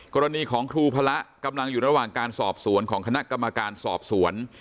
กรณีของครูพระกำลังอยู่ระหว่างการสอบสวนของคณะกรรมการสอบสวน